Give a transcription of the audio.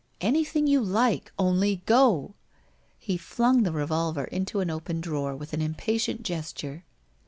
' Anything you like, only go !' He flung the revolver into an open drawer with an im patient gesture.